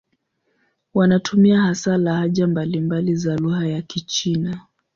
Wanatumia hasa lahaja mbalimbali za lugha ya Kichina.